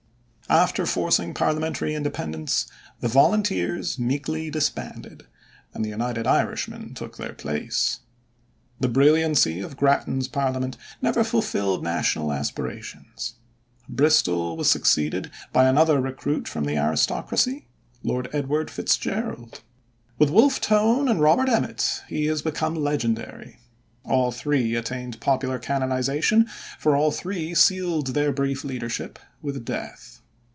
After forcing parliamentary independence the Volunteers meekly disbanded, and the United Irishmen took their place. The brilliancy of Grattan's parliament never fulfilled national aspirations. Bristol was succeeded by another recruit from the aristocracy Lord Edward Fitzgerald. With Wolfe Tone and Robert Emmet he has become legendary. All three attained popular canonization, for all three sealed their brief leadership with death.